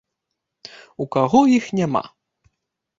У каго іх няма!